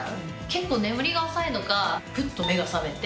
結構眠りが浅いのかフッと目が覚めて。